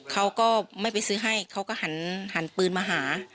เขาก็ไม่ไปซื้อให้เขาก็หันปืนมาหา